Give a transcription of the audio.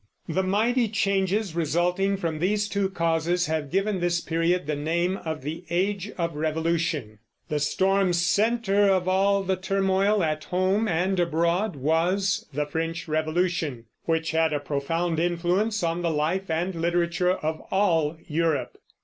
The mighty changes resulting from these two causes have given this period the name of the Age of Revolution. The storm center of all the turmoil at home and abroad was the French Revolution, which had a profound influence on the life and literature of all Europe.